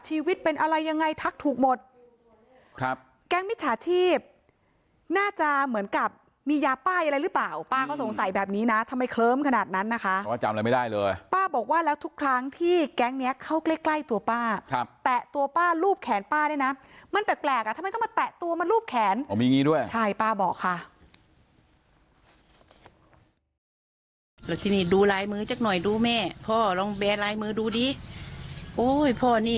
ชีวิตเป็นอะไรยังไงทักถูกหมดครับแก๊งมิจฉาชีพน่าจะเหมือนกับมียาป้ายอะไรหรือเปล่าป้าก็สงสัยแบบนี้นะทำไมเคลิ้มขนาดนั้นนะคะเพราะว่าจำอะไรไม่ได้เลยป้าบอกว่าแล้วทุกครั้งที่แก๊งเนี้ยเข้าใกล้ใกล้ตัวป้าครับแตะตัวป้ารูปแขนป้าเนี่ยนะมันแปลกอ่ะทำไมต้องมาแตะตัวมารูปแขนอ๋อมีงี้ด้วยใช่ป้าบอกค่ะ